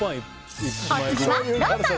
お次はローソン！